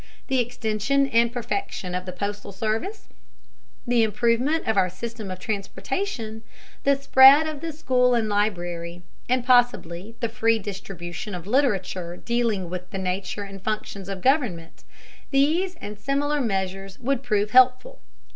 The extension and perfection of the postal service, the improvement of our system of transportation, the spread of the school and library, and possibly the free distribution of literature dealing with the nature and functions of government, these and similar measures would prove helpful.